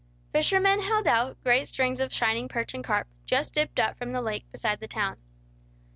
Fishermen held out great strings of shining perch and carp, just dipped up from the lake beside the town.